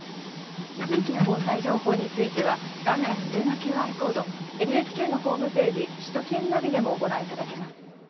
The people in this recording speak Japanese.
地域の防災情報については画面上のＱＲコード、ＮＨＫのホームページ、首都圏ナビでもご覧いただけます。